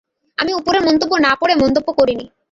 আমি উপরের মন্তব্য না পড়ে মন্তব্য করিনি।